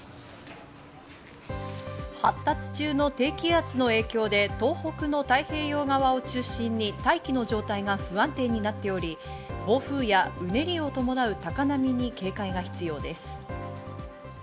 発達中の低気圧の影響で東北の太平洋側を中心に大気の状態が不安定になっており、暴風やうねりを伴う高波に警戒が必要です。